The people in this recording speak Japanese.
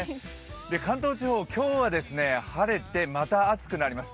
関東地方、今日は晴れてまた暑くなります。